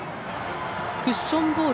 クッションボール